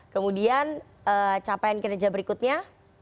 kemudian capaian kinerja berikutnya